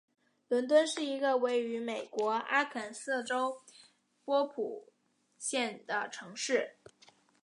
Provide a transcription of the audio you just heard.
伦敦是一个位于美国阿肯色州波普县的城市。